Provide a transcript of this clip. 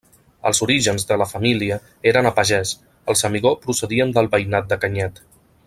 Els orígens de la família eren a pagès, els Amigó procedien del veïnat de Canyet.